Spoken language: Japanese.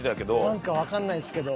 何かわかんないですけど。